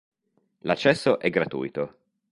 L'accesso è gratuito.